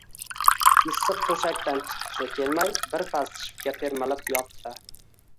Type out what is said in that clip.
Issiq to`shakdan chiqqisi kelmay, birpas shiftga termilib yotdi